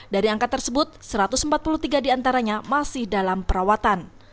dari angka tersebut satu ratus empat puluh tiga diantaranya masih dalam perawatan